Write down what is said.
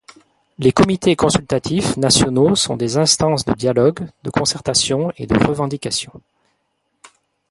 Les comités consultatifs nationaux sont des instances de dialogue, de concertation et de revendication.